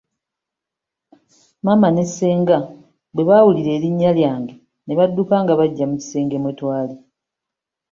Maama ne ssenga bwe baawulira erinnya lyange ne badduka nga bajja mu kisenge mwe twali.